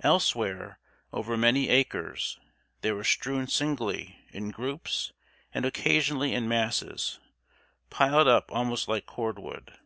Elsewhere, over many acres, they were strewn singly, in groups, and occasionally in masses, piled up almost like cord wood.